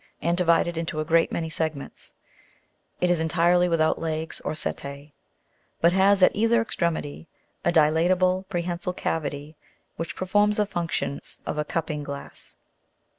and divided into a great many segments: it is entirely without legs or setse, but has at either extremity, a dilatable, prehensile cavity, which performs the functions of a cupping glass.